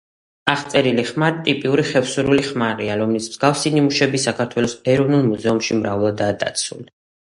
აღწერილი ხმალი ტიპური ხევსურული ხმალია, რომლის მსგავსი ნიმუშები საქართველოს ეროვნულ მუზეუმში მრავლადაა დაცული.